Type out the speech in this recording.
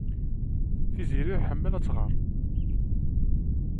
Tiziri tḥemmel ad tɣer.